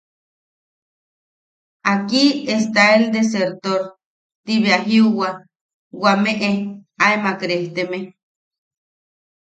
–Aquí está el desertor– Ti bea jiuwa wameʼe aemak rejteme.